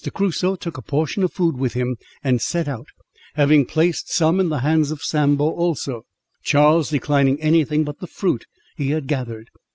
Crusoe took a portion of food with him, and set out, having placed some in the hands of Sambo also, Charles declining any thing but the fruit he had gathered.